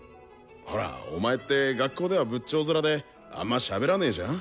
ほらお前って学校では仏頂面であんましゃべらねじゃん？